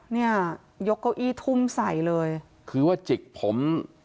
เนี่ยยกเก้าอี้ทุ่มใส่เลยคือว่าจิกผม